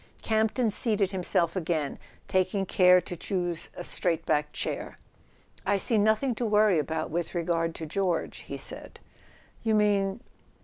Campton seated himself again, taking care to choose a straight backed chair. "I see nothing to worry about with regard to George," he said. " You mean